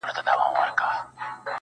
هر څوک خپل بار وړي تل,